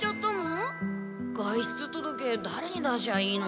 外出届だれに出しゃいいの？